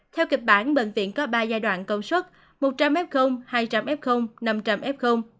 theo kịch bản bệnh viện có ba giai đoạn công suất một trăm linh f hai trăm linh f năm trăm linh f